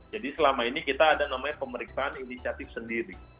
jadi selama ini kita ada namanya pemeriksaan inisiatif sendiri